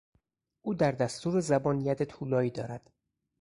او در دستور زبان ید طولایی دارد.